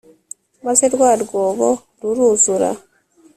maze rwa rwobo ruruzura